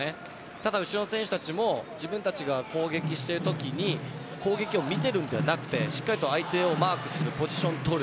ただ後ろの選手も自分たちが攻撃している時攻撃を見てるのではなくてしっかりと相手をマークするポジションを取る。